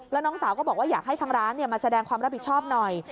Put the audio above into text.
แล้วน้องสาวก็บอกว่าอยากให้ทางร้านมาแสดงความรับผิดชอบหน่อย